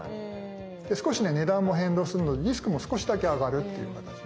で少しね値段も変動するのでリスクも少しだけ上がるっていう形に。